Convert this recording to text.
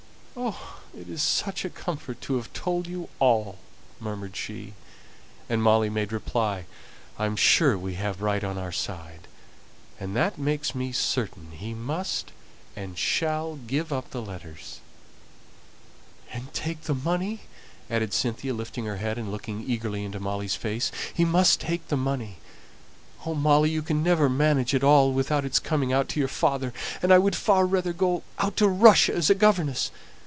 "Oh, it is such a comfort to have told you all!" murmured Cynthia. And Molly made reply, "I am sure we have right on our side; and that makes me certain he must and shall give up the letters." "And take the money?" added Cynthia, lifting her head, and looking eagerly into Molly's face. "He must take the money. Oh, Molly, you can never manage it all without its coming out to your father! And I would far rather go out to Russia as a governess.